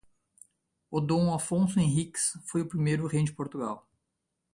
O D. Afonso Henriques foi o primeiro rei de Portugal